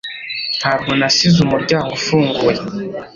Ntabwo nasize umuryango ufunguye